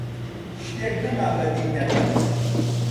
شتێک نەما بەدیی نەکەم: